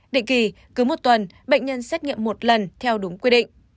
định kỳ cứ một tuần bệnh nhân xét nghiệm một lần theo đúng quy định